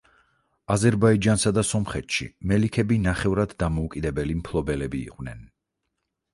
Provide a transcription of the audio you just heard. აზერბაიჯანსა და სომხეთში მელიქები ნახევრად დამოუკიდებელი მფლობელები იყვნენ.